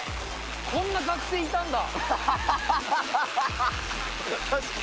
こんな学生いたんだ。